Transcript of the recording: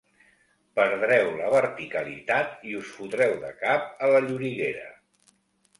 Perdreu la verticalitat i us fotreu de cap a la lloriguera.